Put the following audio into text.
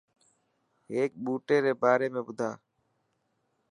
هيڪ ٻوٽي ري باري۾ ٻڌا.